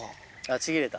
ちぎれた？